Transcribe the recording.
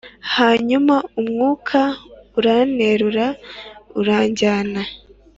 Hanyuma umwuka uranterura uranjyana